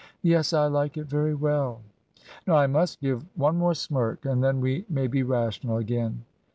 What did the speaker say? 'Yes, I like it very well.' ' Now, I must give one more smirk, and then we may be rational again.'